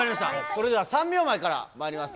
それでは３秒前からまいります。